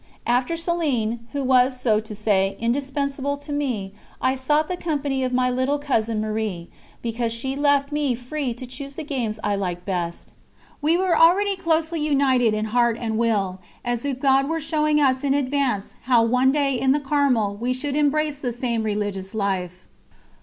After Céline, who was, so to say, indispensable to me, I sought the company of my little cousin Marie, because she left me free to choose the games I liked best. We were already closely united in heart and will, as if God were showing us in advance how one day in the Carmel we should embrace the same religious life.